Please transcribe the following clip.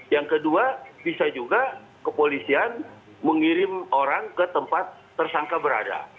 yang kedua bisa juga kepolisian mengirim orang ke tempat tersangka berada